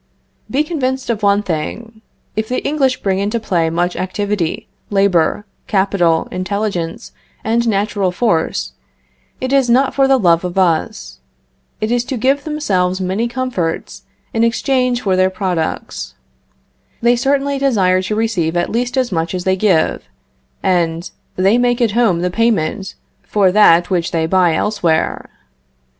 Be convinced of one thing. If the English bring into play much activity, labor, capital, intelligence, and natural force, it is not for the love of us. It is to give themselves many comforts in exchange for their products. They certainly desire to receive at least as much as they give, and they make at home the payment for that which they buy elsewhere.